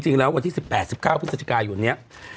จริงแล้ววันที่๑๘๑๙พฤศจิกายุ่นนี้